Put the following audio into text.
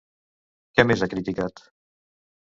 Què més ha criticat?